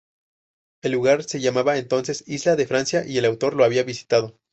El lugar se llamaba entonces Isla de Francia, y el autor lo había visitado.